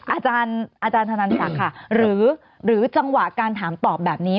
อาจารย์อาจารย์ธนันสักค่ะหรือหรือจังหวะการถามตอบแบบนี้